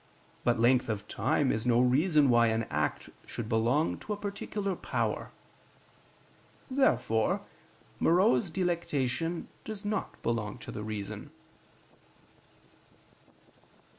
But length of time is no reason why an act should belong to a particular power. Therefore morose delectation does not belong to the reason.